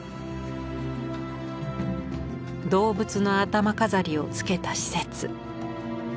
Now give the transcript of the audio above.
動物の頭飾りをつけた使節。